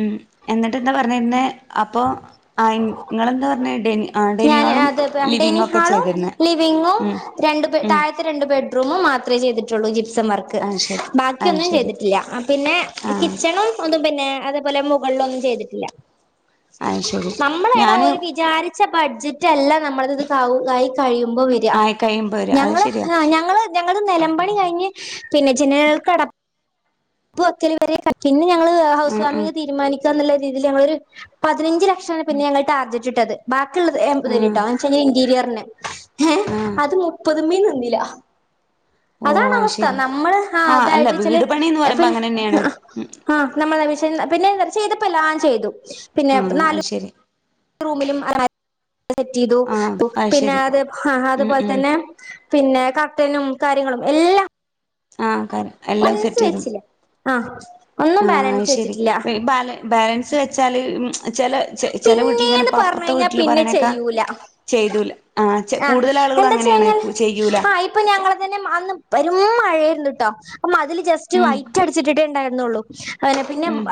ഉം എന്നിട്ട്ന്താ പറഞ്ഞിരുന്ന അപ്പൊ ആ നിങ്ങളെന്താ പറഞ്ഞ ഡെനി ആ ഞാൻ ഡെനിയാളും അത് ഡെനി ലിവിങ് ഒക്കെ ഹാളും ചെയ്തിരുന്നെ ലിവിങ്ങും ഉം രണ്ട് ഉം താഴത്തെ രണ്ട് ബെഡ റൂമ മാമേ ചെയ്തിട്ടുള്ളൂ കിച്ചൻ വർക്ക്‌ അത് ശരി അത് ബാക്കിയൊന്നും ശരി ചെയ്തിട്ടില്ല പിന്ന അഹ് പിന്നെ ആ കിച്ചനും പൊത പിന്നെ അതേപോലെ മുകളിലൊന്നും ചെയ്തിട്ടില്ല അത് ശരി നമ്മള എടാ ഞാന് ഒരു വിചാരിച്ച ശ്ശെ ബഡ്ജറ്റെല്ലാ നമ്മളത് ത് കാവൂ ആയി കഴിയുമ്പോ വരാ. ആയി കഴിയുമ്പോ വരും അത് ഞങ്ങള് ശരിയാ ഹാ ഞങ്ങള് ഞ ന്നത് നെലം പണി കഴിഞ്ഞ് പിന്നെ ജനൽക്കടപ് പൊത്തല് വരെ [unintelligible] പിന്നെ ഞാ ആ ഹൗസ് ആ വാമിംഗ് തീരുമാനിക് നല്ല രീതില് ഞങ്ങളൊരു പതിനഞ്ചില ക്ഷ പിന്ന ഞങ്ങൾ ടാർജറ്റ് ട്ടത് ബ ത് എപത് ആ തെട്ടാ ഇന്റീരിയർ പിന്നെ ഏ ആ അത് മുപ്പത് മീൻ ഇല്ല ഓ അതാണ് അത് അവസ്ഥ നമ്മള് ആ അതായത് ച്ചെല ന്ന് വരമ്പം അങ്ങനന്നെയാണ് പിന്നെന്ത പിന്നെ ചെയ്തപ്പ എല്ലാം ചെയ്തു പിന്നെ ആഹ അ നാല് ശരി റൂമിലും സെറ്റ് ചെയ്തു ആ പിന്നെ ശരി അത് ഉം അതുപോലെ ഉം തന്നെ പിന്നെ കർട്ടനും കാര്യങ്ങളും എല്ലാം ആഹ എല്ലാം സെറ്റ് ചെയ്തു ആഹ ആഹ ശെരി ബാല ബാലൻസ് വെച്ചാല് ചെല ചെല വീട്ടിൽ ഇങ്ങനെ പിന്നേന്ന് ഇപ്പ അപ്പുറത്തെ പറഞ്ഞഴിഞ്ഞാൽ വീട്ടില് പിന്നെ പറയണേക്കാ ചെയ്യൂല ചെയ്തൂല ആഹ് കൂടുതൽ ആളുകളും അങ്ങനെയാണ് എന്താച്ചഴിഞ്ഞാൽ ചെയ്യൂല ആ ഇപ്പൊ ഞങ്ങ തന്നെ അന്ന് പേരും മഴ ട്ടോ അപ്പം അതില് ജസ്റ്റ് ഉം വൈറ്റ് അടിച്ചിട്ടിട്ടേണ്ടരുന്നുള്ളു ഉ [unintelligible] പിന്നെ ഉം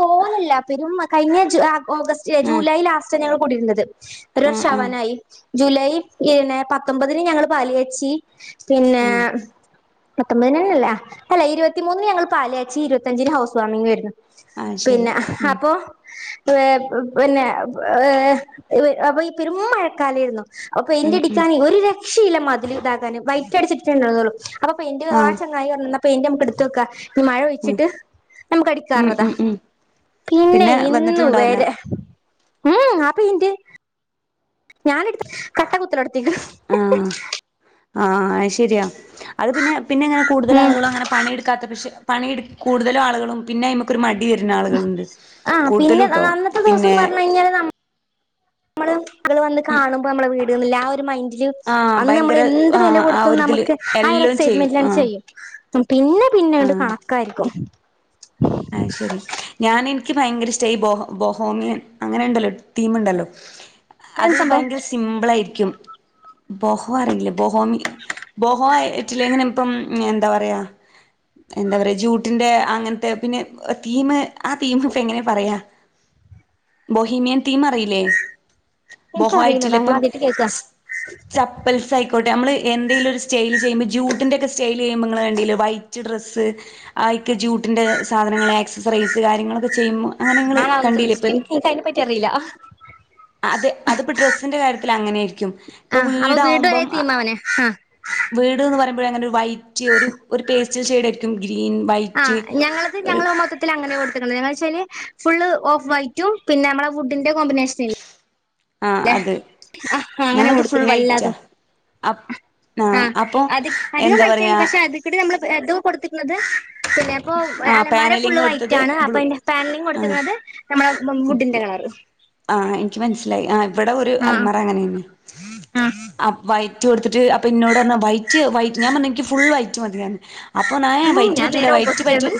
കോലല്ല പെരു കഴിഞ്ഞ ഓഗസ്റ്റ് ആഹ് ജൂലൈ ലാസ്റ്റ് ഞങ്ങൾ കൂടിരുന്നത് ആഹ് ആഹ് റഷാവാനായി ജൂലൈ ന്നെ പത്തൊമ്പതിന് ഞങള് പാല് കാച്ചി പിന്നെ ആഹ് പത്തൊമ്പതിനണ്ല്ലേ അല്ല ഇരുപത്തിമൂന്ന് ഞങ്ങള്ൾ പാലാച്ചി ഇരുപത്തയഞ്ചന് ഹൗസ് വാമിംഗ് വരുന്നു ആഹ് ശരി പിന്നെ ഉം അപ്പൊ പിന്നെ ഏ അപ്പൊ ഈ പെരുും മഴക്കാലമായിരുന്നു അപ്പൊ ഉം എന്റെ ഉം അടിക്കാന ഒരു ശ അതിൽ ഇത അെ വൈറ്റ് അടിച്ചിട്ടുണ്ടള്ളു അപ്പൊ പെയിന്റ് ആ ആഹ് ചങ്ങായിന്ന പെയിന്റ് നമുക്ക് എടുത്ത വെക്കാ ഇ മഴ ഉം ഒയിച്ചിട്ട് നമുക്ക് ഉം അടിക്കാറതാ ഉം ഉം പിന്നെ ഇന്ന വന്നിട്ടും ഉണ്ടാവില്ല വര ഉം ആ പെയിന്റ് ഞൻ ഇ കട്ട [unintelligible] ആ ആ ശരിയാ അത് പിന്നെ പിന്നെ ഇങ്ങനെ കൂടുതൽ ഉം ആളുകളും അങ്ങനെ പണിയെടുക്കാത്ത പക്ഷെ പണിടു കൂടുതലും ആളുകളും പിന്നെ നമുക്ക ഒരു മ ആഹ പിന്നെ അന്നത്തെ പിന്നെ ദിവസന്ന് പറഞ്ഞഞ് കഴിഞ്ഞാല് മ്മൾ വ കാണുമ്പോ നമ്മൾ വി [unintelligible] ആ ഒരു മ ആഹ് അന്ന് നമ്മൾ ഭയങ്കര എന്ത് വില ആഹ് ആ കൊടുത്തും ഒരിതില് നമുക്ക് ആ ഒരു എല്ലോം ചെയ്യും എക്സൈറ്റ്മെന്റിലാണ് ആഹ് ചെയ്യും പിന്നെ പിന്നെണ്ട് കണക്കായിരിക്കും ആഹ ശരി ഞൻ എ എനിക്ക് ഭയങ്കര ഇഷ്ട ഈ ബൊഹോമിയൻ അങ്ങനെ ഉണ്ടല്ലോ തീം ഉണ്ടല്ലോ അത് അതെന്ത് സംഭവം ഭയങ്കര സിംപിൾ ആയിരിക്കും ബോഹോ അറിയില്ലേ ബഹോ ബോഹോ ആയിട്ടില്ലെങ്ങനെ ഇപ്പം എന്താ പറയാ എന്താ പറയാ ജൂട്ടിന്റെ അങ്ങന പിന്നെ തീം ആ തീം ഇപ്പ എങ്ങനെ പറയാ ബൊഹീനിയൻ തീം അറിയില്ലേ ബഹയിട്ടില്ല എനിക്കറിയില്ലടാ ഞാൻ ഇപ്പം ആദ്യായിട്ട് കേൾക്കാ ചപ്പൽസ് ആയിക്കോട്ടെ നമ്മള് എന്തെങ്കിലും ഒരു സ്റ്റൈൽ ചെയ്യുമ്പോൾ ജൂട്ടിൻ്റെൊക്കെ സ്റ്റൈൽ ചെയ്യുമ്പോൾ നിങ്ങളെ കണ്ടില്ലേ വൈറ്റ് ഡ്രസ് ആയിക്ക് ജൂട്ട് ഇതിന്റ സാധനങ്ങൾ എക്സസൈസ് കാര്യങ്ങളൊക്കെ ചെയ്യുമ്പോ അങ്ങനെ നിങ്ങള് ഞാനാ അതൊന്നും കണ്ടില്ലേ ഇപ്പ ശ്രദ്ധിച്ചിട്ടില്ല എനിക്ക് അതിനെപറ്റി അറിയില്ല അത് അതിപ്പോൾ ഡ്രസ്സിൻ്റെ കാര്യത്തിൽ അങ്ങനെയായിരിക്കും ആ ഇപ്പൊ അപ്പൊ വീട് വരെ വീടാവുമ്പം തീമ്മ അവനെ ആ [unintelligible] അങ്ങനെ ഒരു വൈറ്റ് ഒരു ഒരു പേസ്റ്റിൽ ഷേഡയായിരിക്കും ആ ഞങ്ങള്ത് ഞങ്ങൾ മൊത്തത്തിൽ അങ്ങനെ കൊടു [unintelligible] ഫുള് ഓഫ് വൈറ്റും പിന്നെ നമ്മെ വുഡ്ന്റെ കോമ്പിനേഷൻ ആ ല്ല അത് അങ്ങനെ ഞങ്ങളത് ഫുൾ കൊടുത്തിക്കാണ് വൈറ്റാ ഇല്ലതും ആ ആ എന്താ അധികം പറയാ അതിൽകൂടി അത് കൊടുത്തിക്കണത് പിന്നെ അപ്പോ ആ അലമാര ഫുള്ള് പാനലിങ് വൈറ്റ് കൊടുത്തത് ആണ് അപ്പൊ ബ്ലൂ അതിന്റെ പാനലിംഗ് ആഹ് കൊടുത്തിരിക്കുന്നത് നമ്മള് ഉം വുഡിൻ്റെ കളർ ആ എനിക്ക് മനസ്സിലായി ആ ഇവിടെ ഒരു ആഹ് അൽമറ അങ്ങനെ തന്നെയാ ആഹ് ആ വൈറ്റ് കൊടുത്തിട്ട് അപ്പൊ ഇന്നോട് പറഞ്ഞ വൈറ്റ് വൈറ്റ് ഞാൻ പറഞ്ഞെനിക്ക് ഫുൾ വൈറ്റ് മതിയെന്ന് പറഞ്ഞെ അപ്പൊ ന്നാലെ വൈറ്റ് ഞാൻ പറ്റൂല്ല നേരെ വൈറ്റ് ഓപ്പോസിറ്റ് പറ്റ് ആയിരുന്നു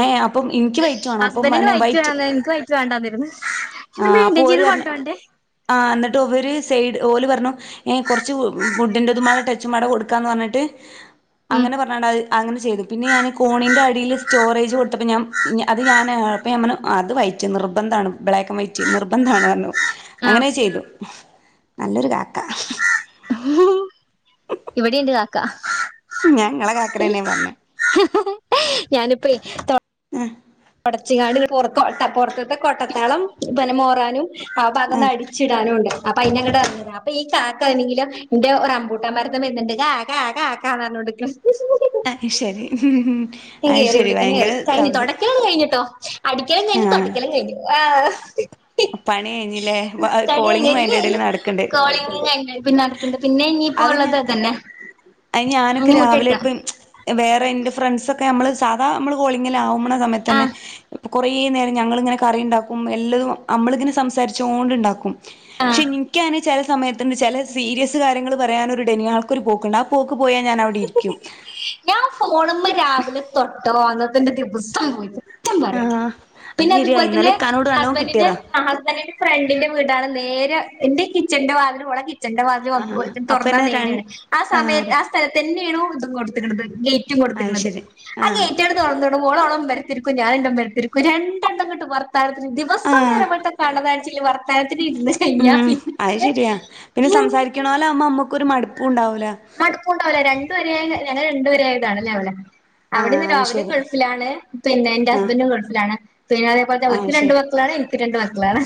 ങേ അപ്പം എനിക്ക് വൈറ്റ് വാണം അപ്പം ഹസ്ബൻഡിന് വൈറ്റ് വേണം എനിക്ക് വൈറ്റ് വേണ്ടാന്നിരുന്നു ആ ഇത് അപ്പൊ മെയിന്റെയിൻ ഓര് ചെയ്ത് പർഞ്ഞ് കൊണ്ടോണ്ടേ ആ എന്നിട്ട് ഇവര് സൈഡ് ഓല് പറഞ്ഞു കുറച്ച് വുഡിന്റെതു ടച്ചുംമ്പാടെ കൊടുക്കാന്ന് പറഞ്ഞിട്ട് ഉം അങ്ങനെ പറഞ്ഞാണ്ടത് അങ്ങനെ ചെയ്തു പിന്നെ ഞാൻ കോണിൻ്റെ അടിയിൽ സ്റ്റോറേജ് കൊടുത്തപ്പം ഞാൻ അത് ഞാൻ അപ്പം ഞാൻ പറഞ്ഞു അത് വൈറ്റ് നിർബന്ധാണ് ബ്ലാക്കൻ വൈറ്റ് നിർബന്ധാണ്ന്ന് പർഞ്ഞു ആഹ് അങ്ങനെ അഹ് ചെയ്തു നല്ലൊരു കാക്ക ഉം ഇവിടീണ്ട് കാക്ക ഞാൻ ഇങ്ങളെ കാക്കനെന്നെ പറഞ്ഞെ ഞാനിപ്പേ തൊ [unintelligible] ട്ച്ച്ങ്ങാണ്ട് പുറ പുറത്ത്ത്തെ കൊട്ടത്തളം പിന്നെ മോറാനും അപ്പൊ അതൊന്ന് ആഹ് അടിച്ചിടാനുണ്ട് അപ്പയിനങ്ങട്ട് എറങ്ങിയതാ അപ്പം ഈ കാക്ക ആണെങ്കിലോ ഇൻ്റെ റംബുട്ടാൻ മരത്തിൻമേലിരുന്നോണ്ട് കാ കാ കാ ന്നു പറഞ്ഞോണ്ടിരിക്ക് ണ് അത് ശരി അത് ശരി ഭയങ്കര സൗണ്ട് ക്കലൊക്കെ കഴിഞ്ഞിട്ടോ അടിക്കലും കഴിഞ്ഞ് ആഹ് തൊടക്കലും കഴിഞ്ഞു [unintelligible] പണി കഴിഞ്ഞില്ലേ കളി കഴിഞ്ഞു കോളിങ്ങും ഇനി അയിന്റെ ഇടേൽ ഇനി നടക്ക്ണ്ട് കോളിംഗ് കഴിഞ്ഞു പിന്നെ നടക്കുന്നുണ്ട് പിന്നെ ഇനിയിപ്പോ ഉള്ളത് അത് തന്നെ അഹ് ഞാനൊക്കെ രാവിലെപ്പം വേറെ എൻ്റെ ഫ്രെണ്ട്സ് ഒ നമ്മള് സാധ നമ്മള് കോളിംങ്ങിലാകുമ്പ ആ സമയത്തന്നെ കുറേ നേരം ഞങ്ങളിങ്ങനെ കറി ഇണ്ടാക്കും എല്ലതും നമ്മളിങ്ങനെ സംസാരിച്ചോണ്ട് ഇണ്ടാക്കും ആ ക്ഷെ ഇൻക്ക്യങ്ങനെ ചില സമയത്തിണ്ട് ചില സീരിയസ് കാര്യങ്ങൾ പറയാനൊരു ഡെനിഹാൾക്കൊരു പോക്കുണ്ട് ആ പോക്ക് പോയാ ഞാനവിടെ ഇരിക്കും ഞാൻ ഫോണുമ്മ രാവിലെ തൊട്ടോ അന്ന ത്തെ ഇൻ്റെ ദിവസം പോയി കുറ്റം പറയാം ആഹ് അത് പിന്നെ ശെരിയാ അതുപോലെ ഇന്നലെ തന്നെ ഇക്കാനോട് നല്ലോം ഹസ്ബൻഡിന്റെ കിട്ടിയതാ ഹസ്ബൻഡിന്റെ ഫ്രണ്ടിന്റെ വീടാണ് നേരെ എന്റെ കിച്ചന്റെ വാതില് ഓള കി ച്ചൻ്റെ ആഹ് വാതില് തുറന്നാ അപ്പന്നെ രൺ നേരെയാണ് ആ ആഹ് സമയത്ത് ആ തന്നേണ് ഓൾതും കൊടുത്ക്ണത് ഗേറ്റും അത് കൊടുത്ക്ണത് ശെരി ആ ആഹ് ഗേറ്റാണ്ട് തൊറന്നിടും ഓള് ഓളെ ഉമ്മര ത്തി [unintelligible] രണ്ടെണ്ണങ്ങട്ട് വറു വർത്താനത്തിന് ദിവസോം നേര ആഹ് [unintelligible] വർത്താനത്തിന് ഇരുന്ന് കഴിഞ്ഞാ ഉം അത് പിന്നെ ഒരു മടുപ്പുണ്ടാവില്ല മടുപ്പും ഉണ്ടാവില്ല രണ്ട് പേര് ആയ [unintelligible] രണ്ടു പേര് ആയതാണല്ലേ [unintelligible] ആഹ് അവിടെന്ന് അത് രാഹുലും ശരി ഗൾഫിലാണ് പിന്നെ എൻ്റെ ആഹ് ഹസ്ബൻ്റും ഗൾഫിലാണ് പിന്നെ അതേപോലത്തെ അത് അവക്ക് രണ്ടു ശരി മക്കളാണ് എനിക്ക് രണ്ട് മക്കളാണ്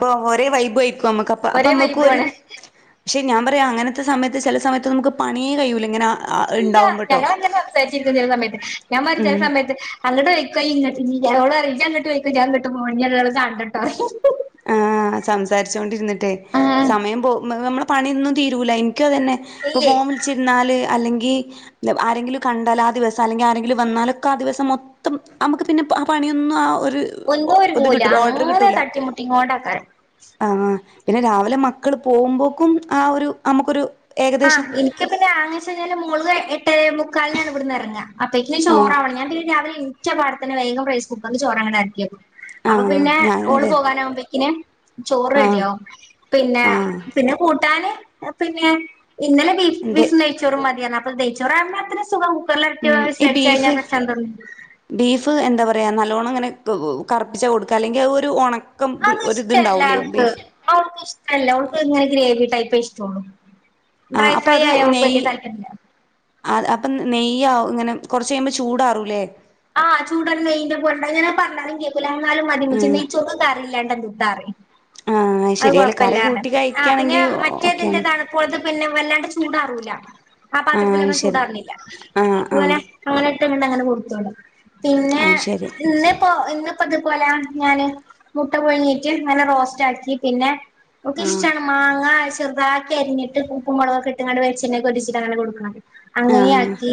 ഇപ്പോ ഒരേ വൈബുമായി നമ്മക്ക് അപ്പ അപ്പ ഒരേ നമ്മക്ക് ഒരു വൈബുമാണ് പക്ഷേ ഞാൻ പറയാ അങ്ങനത്തെ സമയത്ത് ചെല സമയത്ത് നമുക്ക് പണിയേ കഴിയൂലാ ഇങ്ങനാ ഇല്ല ഞങ്ങൾ അങ്ങനെ സംസാരിച്ചിരിക്കും ചില സമയത്ത് ഞാൻ ഉം [unintelligible] സമയത്ത് അങ്ങട്ട് ഇങ്ങട്ട് ഓള് [unintelligible] [unintelligible] പോകണ്ടട്ടോ ആഹ് സംസാരിച്ചോണ്ടിരുന്നിട്ടേ തീരൂലാ ഇനിക്കും അതന്നെ ഇപ്പോ ഇല്ലേ ഫോണില് വിളിച്ചിരുന്നാല് അല്ലെങ്കി ഈ [unintelligible] ആരെങ്കിലും കണ്ടാലാ ദിവസം അല്ലെങ്കി ആരെങ്കിലും വന്നാലൊക്കെ ആ ദിവസം മൊത്തം അമുക്ക് പിന്നെ പ് ആ പണിയൊന്നും ആവൂ ഒന്നും ഒരുങ്ങൂല അങ്ങനെ തട്ടിമുട്ടി ഇങ്ങ് പോണ്ടാക്കാരം ആഹ് പിന്നെ രാവിലെ മക്കള് പോവുമ്പോക്കും ആ ഒരു അമുക്കൊരു ആഹ് എനിക്ക് പിന്നെ ആങ്ങ ചെഞ്ഞാല് മോള് എട്ട് ട്ടേ മുക്കാലിനാണ് ഇവിടുന്ന് എറങ്ങ്അ അപ്പേക്കിനും ആഹ് ചോറാവണം ഞാൻ പിന്നെ രാവിലെ എണി ച പടെത്തന്നെ വേഗം റൈസ് കുക്കറില് ചോറ് അങ്ങട് എറക്കിവെക്കും അപ്പോ ആഹ് പിന്നെ ഞാനും ഓള് അതെ പോകാനാവുമ്പെക്കിന് ചോറ് ആഹ് റെഡിയാവും പിന്നെ ആഹ് പിന്നെ കൂട്ടാന് എ പിന്നെ ഇന്നലെ ബീഫ് എന്തേ ബീഫും നെയ്ച്ചോറും മതിയറഞ്ഞ് അപ്പ് അ നെയ്ച്ചോറാവുമ്പോ അത്ര സുഖാവും ഉം ഈ ബീഫ് ബീഫ് എന്താ പറയാന്നൽ നല്ലോണം ഇങ്ങനെ കൂ കറുപ്പിച്ചാ കൊടുക്കാ അല്ലെങ്കി അ ഒരു ഒണക് അത് ഇഷ്ടല്ല അവൾക്ക് അവൾക്ക് ഇഷ്ടല്ല ഓൾക്ക് ഇങ്ങനെ ഗ്രേവി ടൈപ്പേ ഇഷ്ടൊള്ളൂ ആഹ് ഡ്രൈ ഫ്രൈ അപ്പത് ആയ ഉ അവൾക്ക് നെയ് വല്യ താല്പര്യല്ല അത് അപ്പ നെയ് യ്യാവു ഇങ്ങനെ കൊറച്ചയുമ്പോ ചൂടാറൂല്ലേ ആഹ് ചൂടൻ നെയ്യിൻ്റെ [unintelligible] പറഞ്ഞാലും കേക്കൂലാ ന്നാലും മതിമ്മച്ചി ഉം നെയ്ച്ചോർക്ക് കറില്ലാണ്ട് എന്തുട്ടാറയും ആഹ് അത് ശരി അല്ല കറി കൊഴപ്പലാറഞ്ഞ് കൂട്ടി ആ പിന്നെ കഴിക്കുകയാണെങ്കിൽ ഓക്കെയാണ് മറ്റേതിന്റെതാണ് ഇപ്പോളത്തെ പിന്നെ വല്ലാണ്ട് ചൂടാറൂല്ല ആ ആഹ് പാത്രത്തിലൊന്നും ശരി ചൂടാറ്ണില്ല ആഹ് ആഹ് ഇതുവരെ അങ്ങനെ [unintelligible] അങ്ങനെ കൊടുത്തോട പിന്നേ അത് ശരി ഇന്നിപ്പോ ഇന്ന് ഇപ്പതുപോലെ ഞാന് മുട്ട പുഴുങ്ങീറ്റ് നല്ല റോസ്റ്റാക്കി പിന്നെ ഓക്ക് ആഹ് ഇഷ്ടാണ് മാങ്ങ ഐസ് ചെറുതാക്കി അരിഞ്ഞിട്ട് ഉപ്പും മുളകൊക്കെ ഇട്ട്ങ്ങാണ്ട് വെളിച്ചെണ്ണേക്ക ഒറ്റിച്ചിട്ടങ്ങനെ കൊടുക്ക്ണത് ആഹ് അങ്ങനെയാക്കി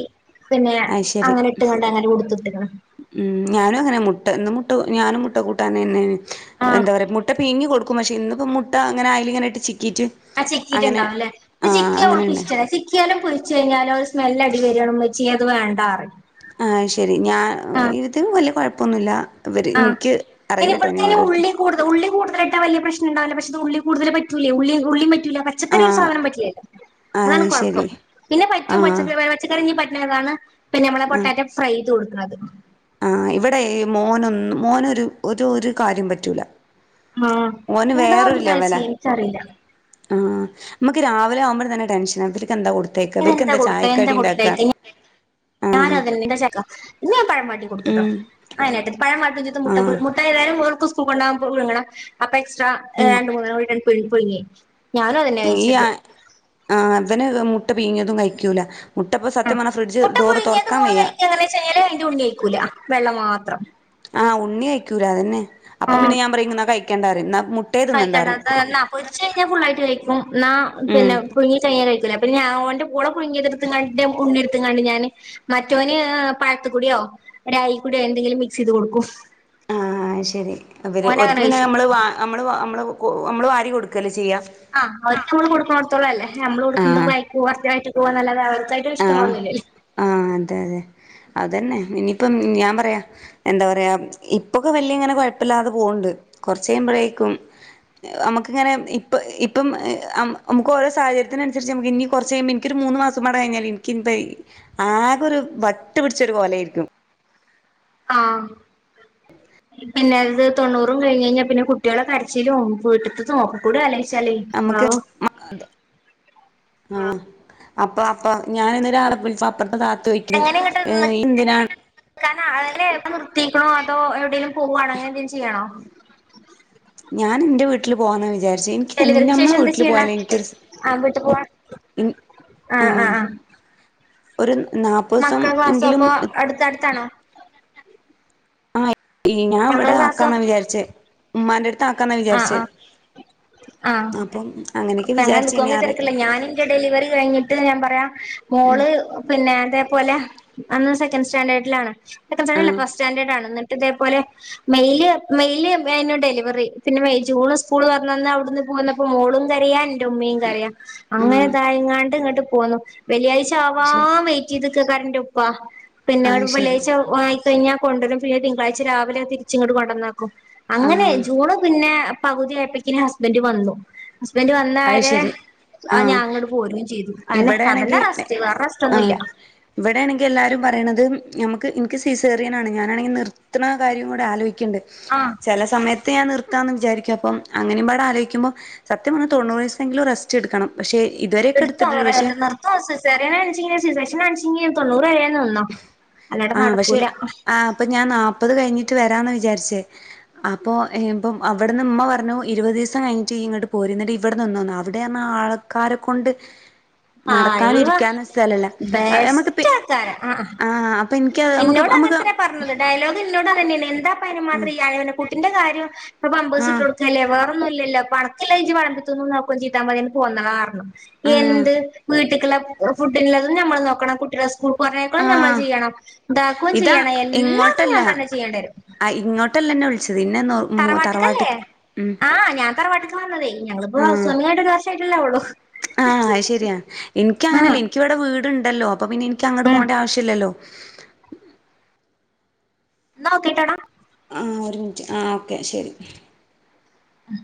പിന്നെ അത് ശരി അങ്ങനെ ഇട്ട്ങ്ങാണ്ട് അങ്ങനെ കൊടുത്തു ഉം ഞാനും അങ്ങനെ മുട്ട് ട്ട എന്നും മുട്ടു ഞാനും മുട്ട കൂട്ടാനന്നേ എന്താ ആഹ് പറയാ മുട്ട പീഞ്ഞ് കൊടുക് ക്കും പക്ഷെ ഇന്നിപ്പൊ മുട്ട ഇങ്ങനെ അയിലിങ്ങനെ ഇട്ട് ചിക്ക് ആ ചിക്കീട്ടുണ്ടാവുല്ലേ ഇത് ആഹ് ചിക്കിയ ഓൾക്ക് അങ്ങനെണ്ട് ഇഷ്ടല്ല ചിക്കിയാലും പൊരിച്ച് കഴിഞ്ഞാലും ഓള് സ്മെല്ലടി വര്ആണുമ്മച്ചീ അത് വേണ്ടാറയും ആ ശരി ഞാ ഇത് വല്ല്യ കൊഴ പ്പന്നുല്ല ആ ഇനി ഇവൾക്കയ്ന് ഉള്ളി കൂടുത ഉള്ളി കൂടു- ട്ട വല്യ പ്രശ്നം ണ്ടവൂല പക്ഷെത് ഉള്ള കൂടുതൽ പറ്റു ലെ ഉള്ളി ഉള്ളി ല്ല പച്ചക്കറി ഒരു ആഹ് സാധനം പറ്റുല്ലലോ അതാണ് അത് ശരി കൊഴപ്പം പിന്നെ പറ്റും ആഹ് പച്ചക്കറി പച്ചക്കറി നീ പറ്റ് നേതാണ് പിന്നെ നമ്മെ പൊട്ടറ്റോ ഫ്ര ത് നത് ആ ഇവിടെ മോനൊന്നു മോനൊരു ഒരു ഒരു കാര്യം പറ്റൂല ആഹ ഓന് [unintelligible] ഇച്ചറീല ആ നമുക്ക് രാവിലെ ആവുമ്പോ തന്നെ ടെൻഷൻ ഇവനെന്താ കൊടുക്ക എന്താ കൊടുത്ത ആഹ് ഞാനെ ഇന്ന് ഞാൻ പഴ പാട്ടി കൊടുത്തട്ടോ ഉം അട്ട പഴമാട്ടി മു ആഹ് മുട്ടതാലും പൂണ്ടാകുമ്പോഴ ആപ്പ എ ഉം രണ്ട് മൂന്ന്‌ [unintelligible] പുഴുങ്ങി ഞാനും അതന്നെ ഈ കഴിച്ചത് ആ ആ അതെന്നെ മു മുട്ട പീഞ്ഞതും കഴിക്കൂല മുട്ടപ്പ ആഹ് സത്യമാണ് ഫ്രിഡ്ജ് മുട്ട ഡോറ് പുഴുങ്ങിയത് തുൊറക്കാൻ മോള് വയ്യ കഴിക്ക എങ്ങനെ വെച്ച് കഴിഞ്ഞാല് അതിന്റെ ഉണ്ണി കഴിക്കൂല വെള്ള മാത്രം ആ ഉണ്ണി അയ്ക്കൂലാ അത തന്നെ അപ്പൊ പിന്നേ ഞാപറയ് ന്നാ ക്കണ്ടാര്യ കഴിക്കണ്ടത്ത് പൊരിച്ച് കഴിഞ്ഞാൽ ഫുള്ളായിട്ട് കഴിക്കും എന്ന ഉം പിന്നെ പുഴുങ്ങി ചെയ്യാനൈകുല പിന്നാ ഓന്റെ ഓളെ പുഴുങ്ങേ ഉണ്ണിട്ത്ങ്ങാണ്ട് ഞാന് മറ്റൊന് പഴത്തുകൂടിയോ എടയിക്കൂടെ എന്തങ്കിലും മിക്സയ്ത് കൊടുക്കും. ആ ശരി ഇവര് ഓനങ്ങനെ ഓര്ക് പിന്നെ കഴിച്ചോളും നമ്മള് നമ്മള് മ്മള് ഒ നമ്മള് വാരി കൊടുക്കല്ലേ ചെയ്യാ ആ അവർക്ക് നമ്മള് കൊടുക്കുന്നോടത്തോളം ല്ലെ നമ്മള് കൊടുക്കുന്നത് [unintelligible] പോവാന്നല്ലതെ ആ ആ ആ അതെ അതെ അതന്നെ ഇനിയിപ്പം ഞാൻ പറയാ എന്താ പറയാ ഇപ്പൊക്കെ വല്ല്യങ്ങനെ കുഴപ്പില്ലാതെ പോവ്ണ്ട് കുറച്ചഴുമ്പോഴേക്കും നമുക്ക് ങ്ങനെ ഇപ്പ ഇപ്പം നമുക്ക് ഓരോ സാഹചര്യത്തിനനുസരിച്ച് മ്മക്ക് ഇനി കുറച്ചഴുമ്പ മ്പം എനിക്കൊരു മൂന്ന് മാസ കഴിഞ്ഞാൽ എനിക്കി പ ആകെരു വട്ട് പിടിച്ച കോലായിരിക്കും ആ [unintelligible] തൊണ്ണൂറും കഴിഞ് കഴിഞ്ഞാൽ പിന്നെ കുട്ടികളെ കര്ച്ചിലും വീട്ട്ത്തെ [unintelligible] കൂടെ അലോയ്ച്ചാലേ ആഹ് ആ അപ്പൊ അപ്പ ഞാൻ അപ്പറത്തെ താ തോയ്ക്കിന്‌ എങ്ങനെ ഇങ്ങട്ട് ഏ എന്തിനാണ് എ നിർത്തിക്കണോ അതോ എവിടെങ്കിലും പോവാണോ അങ്ങനെ എന്തേങ്കിലും ചെയ്യണോ ഞാൻ ഇന്റെ വീട്ടില് പോകന്ന വിചാ ഡെലിവറിക്ക് ശേഷം എന്താ ചെയ്യണ ആ വിട്ട് പോവാ ആ ആ ആഹ് ആ ഒരു നാപ്പൂസം മക്കൾ വാസോ എങ്കിലും പ്പൊ അടുത്തടുത്താണോ ഇ ഞാൻ ഇവിടെ ആക്കാമ്മ വിചാരിച്ചേ ഉമ്മാന്റെ അടുത്ത് ആക്കാന്നാ ആ വിചാരിച്ചേ ആ ആ അപ്പം അങ്ങനെയൊക്കെ അപ്പ അങ്ങനെ നിക്കോ വിചാരിച്ചേനി അങ്ങനെ ആറ് തെരക്ക് ഇള്ളെയ് ഞാനിന്റെ ഡെലിവെറി കഴിഞ്ഞിട്ട് ഞാൻ പറയാ മോ അന്ന് സെക്കൻഡ് സ്റ്റാൻന്റേർഡിലാണ് സെക്കന്റ് സ്റ്റാന്റെഡ് അല്ല ആഹ് ഫസ്റ്റ് സ്റ്റാൻന്റെഡാണ് ഇന്ന ഇതേപോലെ മെയിൽ മെയിൽ എയ്നു ഡെലി വെറി പിന്നെ മെയ് ജൂണ് സ്കൂൾ തൊർന്ന അന്ന് അയുട്ന്ന് പോന്നപ്പോ മോളും കരയാ ഇന്റെ ഉമ്മിം കരയാ അങ്ങനെ ആഹ് ഇതായിങ്ങാണ്ട് ഇങ്ങട്ട് പോന്നു വെള്ളിയാഴ്ച ശരി ആവാൻ വെയിറ്റ് ചെയ്ത്ക്കക്കാരം ഇന്റെ ഉപ്പാ പിന്നെ ആഹ് ശരി വെള്ളിയാഴ്ച ആയി കഴിഞ്ഞാ കൊണ്ടരും പിന്നെ തിങ്കളഴ്ച രാവിലെ തിരിച്ച് ഇങ്ങട്ട് കൊണ്ടന്നാ ക്കും അങ്ങനെ ആഹ് പിന്നെ പകുതി അയ്പ്പെക്കിന് ഹസ്ബെന്റ് വന്നു ഹസ്ബെന്റ് അത് വന്നരെ ശരി ആ ഞാ ഇങ്ങട്ട് പോരെം ചെയ്തു അന്നെ അതന്നെ ഇവിടെയാണെങ്കിൽ എ റസ്റ്റ് വേറെ റസ്റ്റ് ആ ഒന്നുമില്ല ഇവിടെയാണെങ്കിൽ എല്ലാരും പറിണെത് നമ്മക്ക് ഇൻക്ക് സീസേറിയനാണ് ഞാനാണെങ്കി നിർത്ത്ണ കാര്യം കൂടെ ആലോ ക്ക്ണ്ട് ആഹ് ചെല സമയ തെ ഞാൻ നിർത്താന്ന് വിചാരിക്ക അപ്പം അങ്ങനെമ്പാടെ ആലോയ്ക്കുമ്പോ സത്യം പറഞ്ഞ തൊണ്ണൂറീസെങ്കിലും റസ്റ്റ് എടുക്കണം പക്ഷേ ഇ ഇതുവരെ ഇട് എടുത്തോ നിർത്തോ സിസേറിയൻ ആണ്ച്ചെങ്കി സിസെക്ഷനാണെ ച്ചങ്കി തൊണ്ണൂറ് ആയാ ആ പക്ഷെ ആ അപ്പൊ ഞാൻ നാല്പത് കയ്ഞ്ഞ് ട്ട് വരാന്ന് വിചാരിച്ചേ അപ്പൊ ഇപ്പം അവിടെന്ന് ഇമ്മ പറഞ്ഞു ഇരുപതീസം കഴിഞ്ഞിട്ട് ഇയ്യ് ഇങ്ങട്ട് പോര് ന്നട്ട് ഇവിട നിന്നോന്ന് അവ്ടെർ ഞ്ഞാ ആൾക്കാരെ കൊണ്ട് ഹായ് നടക്കാനും വാ ഇരിക്കാനും സ്ഥലല്ല നമക്ക് പേ ആ അ എന്നോട് അങ്ങൻ തന്നെ പറഞ്ഞത് ഡയലോഗ് ന്നോടും അങ്ങനെന്നെനി എന്താ നുമാത്രയയെ കുട്ടിന്റെ കാ അ പ്പം ആഹ് പമ്പേസ്ട്ടൊട്ക്കല്ലേ വേറെ ഒന്നൂല്ലല്ലോ പ അണക്ക്ല്ലെജ് വളമ്പിതിന്നു നോക്കാം ചെയ്താ മതി ങ്ങട് പോന്നളാർഞ്ഞു. ആഹ് എന്ത് വീട്ട്ക്ക്ള്ള ഫുഡ്ന്ല്ലതും ഞമ്മള് നോക്കണം കുട്ടി സ്കൂൾക്ക് പറഞ്ഞ്ക്കണം ഞമ്മള് ആഹ് ചെയ്യണം താക്കുവേം ഇതാ ചെയ്യണം എല്ലാതും ഇങ്ങോട്ടല്ല ഞമ്മളെന്നെ ചെയ്യേണ്ടരും ആഹ് ഇങ്ങോട്ടല്ല എന്നെ വിളിച്ചത് ഇന്നെ തറവാട്ട്ക്കല്ലേ തറവാട്ട്ക്ക് ഉം ആഹ ഞാൻ തറവാട്ടക്ക് വന്നതേ ഞങ്ങിപ്പോസ്വാമിയായിട്ട് ല്ലേവൊള്ളൂ ആ അയ്ശരിയ ആഹ് ൻക്കങ്ങനയല്ലേ ൻക്കിവടെ വീടുണ്ടല്ലോ അപ്പൊ പിന്നെ ൻക്കങ്ങട്ട് പോണ്ട ആവശ്യല്ലല്ലോ ന്നോകേട്ടടാ ആ ഒരു മിനിറ്റ് ആ ഓക്കെ ശരി ഉം